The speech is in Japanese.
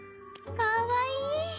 かわいい！